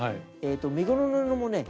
身ごろの布もね